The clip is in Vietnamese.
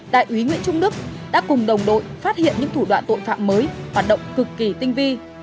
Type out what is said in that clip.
đại úy nguyễn trung đức đã cùng đồng đội phát hiện những thủ đoạn tội phạm mới hoạt động cực kỳ tinh vi